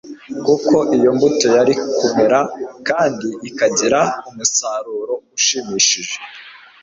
kuko iyo mbuto yari kumera kandi ikagira umusaruro ushimishije.